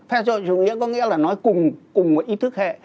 phe xã hội chủ nghĩa có nghĩa là nói cùng một ý thức hệ